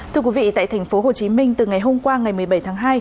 tại thành phố hồ chí minh từ ngày hôm qua ngày một mươi bảy tháng hai